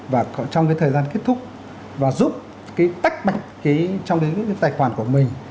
và trong cái thời gian kết thúc và giúp cái tách bạch trong cái tài khoản của mình